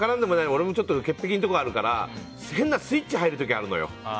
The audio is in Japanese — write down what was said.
俺も潔癖なところがあるから変なスイッチが入る時があるのよ。